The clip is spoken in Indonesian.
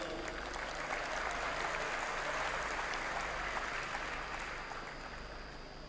sesuai janji yang saya sampaikan